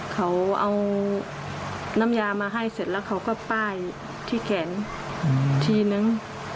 เขาเอาน้ำยามาให้เสร็จแล้วเขาก็ป้ายที่แขนทีนึง